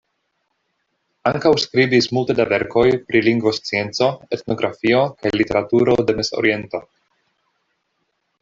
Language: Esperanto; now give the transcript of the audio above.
Ankaŭ skribis multe da verkoj pri lingvoscienco, etnografio, kaj literaturo de Mezoriento.